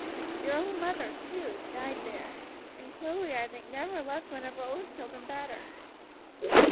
Your own mother, too, died there, and Chloe I think never loved one of her own children better."